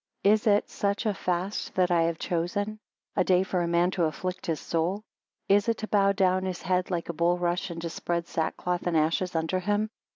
15 Is it such a fast that I have chosen? A day for a man to afflict his soul? Is it to bow down his head like a bulrush, and to spread sackcloth and ashes under him?